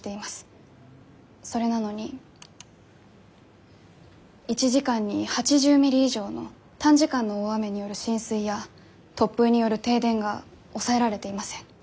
それなのに１時間に８０ミリ以上の短時間の大雨による浸水や突風による停電が抑えられていません。